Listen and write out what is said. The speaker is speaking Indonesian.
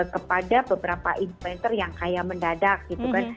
kepada beberapa influencer yang kaya mendadak gitu kan